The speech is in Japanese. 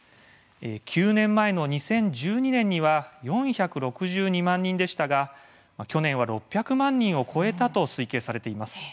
９年前の２０１２年には４６２万人でしたが去年は６００万人を超えたと推計されています。